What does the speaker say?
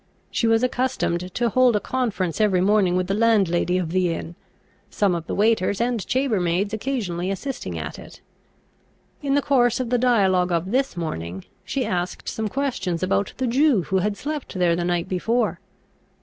She was accustomed to hold a conference every morning with the landlady of the inn, some of the waiters and chambermaids occasionally assisting at it. In the course of the dialogue of this morning, she asked some questions about the Jew who had slept there the night before.